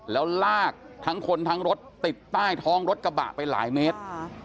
แล้วลากทั้งคนทั้งรถติดใต้ท้องรถกระบะไปหลายเมตร